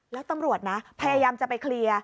แล้วตำรวจนะพยายามจะไปเคลียร์